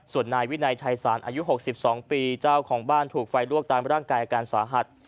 ส่วนนายวินัยชัยศาลอายุ๖๒ปีเจ้าของบ้านถูกไฟลวกตามร่างกายอาการสาหัส